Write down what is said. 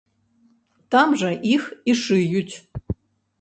Там жа іх і шыюць.